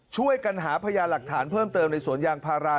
ช่วยกันหาพยาหลักฐานเพิ่มเติมในสวนยางพารา